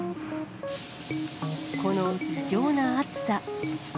この異常な暑さ。